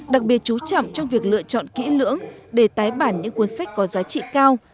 đặc biệt chú trọng trong việc lựa chọn kỹ lưỡng để tái bản những cuốn sách có giá trị cao